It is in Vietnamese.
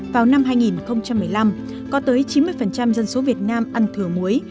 vào năm hai nghìn một mươi năm có tới chín mươi dân số việt nam ăn thừa muối